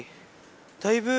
だいぶ。